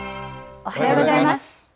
おはようございます。